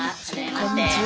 こんにちは。